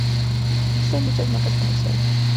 Existen muchas marcas comerciales.